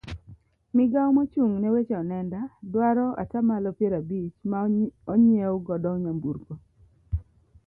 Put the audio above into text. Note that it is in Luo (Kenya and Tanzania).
Migawo mochung' ne weche onenda dwaro atamalo piero abich ma onyiew godo nyamburko.